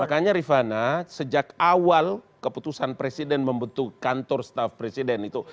makanya rifana sejak awal keputusan presiden membentuk kantor staff presiden itu